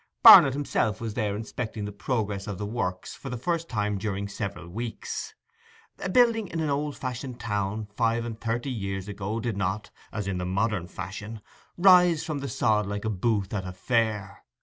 Barnet himself was there inspecting the progress of the works for the first time during several weeks. A building in an old fashioned town five and thirty years ago did not, as in the modern fashion, rise from the sod like a booth at a fair.